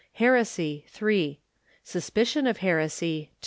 Heresy Suspicion of Heresy